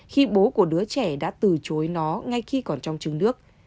khi bố của đứa trẻ đã từ chối nó ngay khi còn trong trứng nước